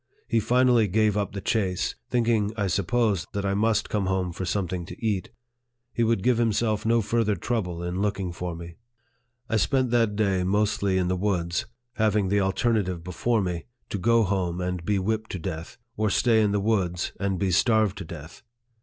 He finally gave up the chase, thinking, I suppose, that I must come home for something to eat ; he would give himself no further trouble in looking for me. I spent that day mostly in the woods, having the alternative before me, to go home and be whipped to death, or stay in the woods and be starved to death.